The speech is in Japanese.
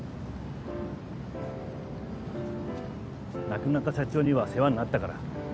亡くなった社長には世話になったから。